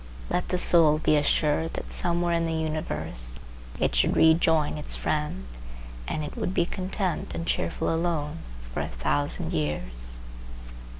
Let the soul be assured that somewhere in the universe it should rejoin its friend, and it would be content and cheerful alone for a thousand years.